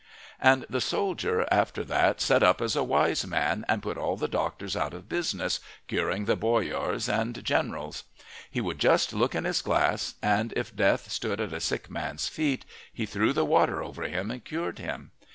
And the soldier after that set up as a wise man and put all the doctors out of business, curing the boyars and generals. He would just look in his glass, and if Death stood at a sick man's feet, he threw the water over him and cured him.